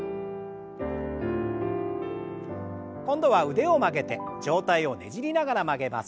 今度は腕を曲げて上体をねじりながら曲げます。